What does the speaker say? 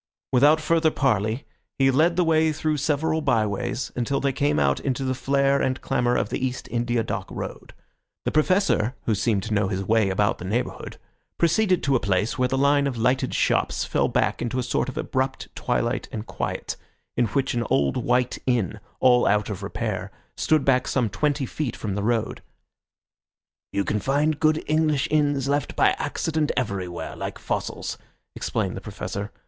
Without further parley, he led the way through several by ways until they came out into the flare and clamour of the East India Dock Road. The Professor, who seemed to know his way about the neighbourhood, proceeded to a place where the line of lighted shops fell back into a sort of abrupt twilight and quiet, in which an old white inn, all out of repair, stood back some twenty feet from the road. "You can find good English inns left by accident everywhere, like fossils," explained the Professor.